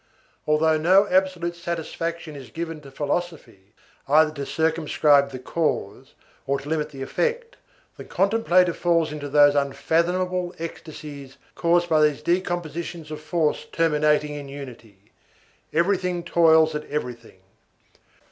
Although no absolute satisfaction is given to philosophy, either to circumscribe the cause or to limit the effect, the contemplator falls into those unfathomable ecstasies caused by these decompositions of force terminating in unity. Everything toils at everything.